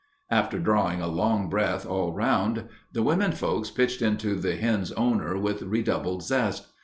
After drawing a long breath all round, the women folks pitched into the hen's owner with redoubled zest.